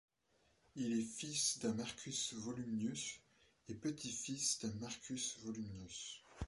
Il est fils d'un Marcus Volumnius et petit-fils d'un Marcus Volumnius.